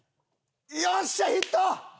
よっしゃヒット！